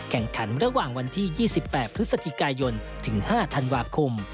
แข่งขันระหว่างวันที่๒๘พฤศจิกายนถึง๕ธันวาคม